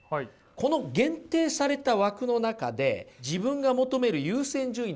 この限定された枠の中で自分が求める優先順位の割合をね